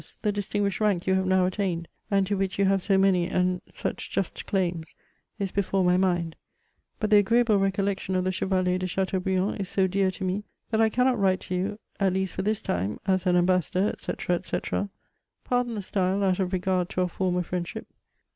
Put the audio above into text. The distinguished rank you have now attained, and to which you have so many and such just claims, is before my mind; but the agreeable recollection of the Chevalier de Chateaubriand is so dear to me, that J cannot write to you (at least for this time,) as an ambassador, &c., &c. Pardon tne style out of regard to our former friendship.